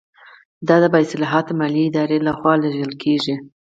دا د باصلاحیته مالي ادارې له خوا لیږل کیږي.